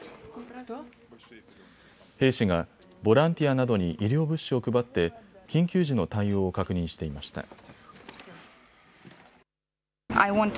兵士がボランティアなどに医療物資を配って緊急時の対応を確認していました。